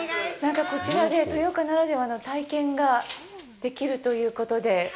こちらで豊岡ならではの体験ができるということで。